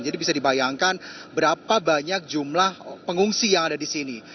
jadi bisa dibayangkan berapa banyak jumlah pengungsi yang ada di sini